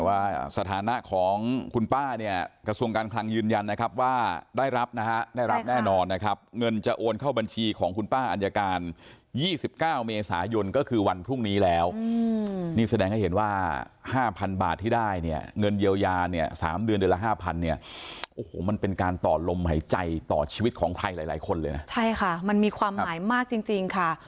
ว่าสถานะของคุณป้าเนี่ยกระทรวงการคลังยืนยันนะครับว่าได้รับนะฮะได้รับแน่นอนนะครับเงินจะโอนเข้าบัญชีของคุณป้าอัญญาการ๒๙เมษายนก็คือวันพรุ่งนี้แล้วนี่แสดงให้เห็นว่า๕๐๐บาทที่ได้เนี่ยเงินเยียวยาเนี่ย๓เดือนเดือนละห้าพันเนี่ยโอ้โหมันเป็นการต่อลมหายใจต่อชีวิตของใครหลายคนเลยนะใช่ค่ะมันมีความหมายมากจริงจริงค่ะ